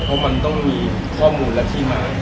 เพราะมันต้องมีข้อมูลและที่มา